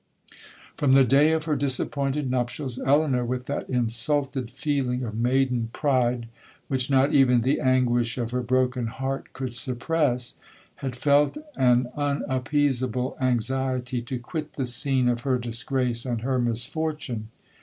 From the day of her disappointed nuptials, Elinor, with that insulted feeling of maiden pride, which not even the anguish of her broken heart could suppress, had felt an unappeaseable anxiety to quit the scene of her disgrace and her misfortune.